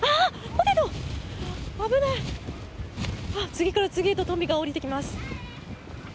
次から次へとトンビが下りてきます。